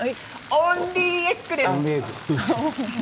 オンリーエッグでした。